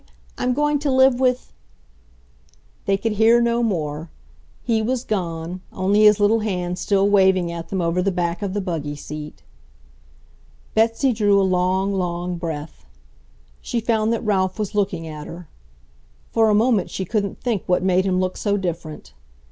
I'm going to live with ..." They could hear no more. He was gone, only his little hand still waving at them over the back of the buggy seat. Betsy drew a long, long breath. She found that Ralph was looking at her. For a moment she couldn't think what made him look so different.